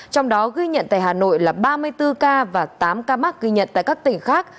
trong đó ghi nhận tại hà nội là ba mươi bốn ca và tám ca mắc ghi nhận tại các tỉnh khác